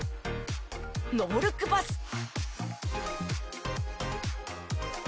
ノールックパス！